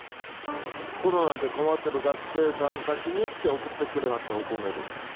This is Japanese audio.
コロナで困ってる学生さんたちにって送ってくれはったお米です。